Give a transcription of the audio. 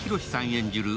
演じる